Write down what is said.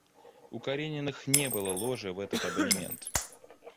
У Карениных не было ложи в этот абонемент.